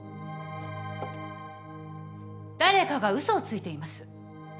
誰かが嘘をついています。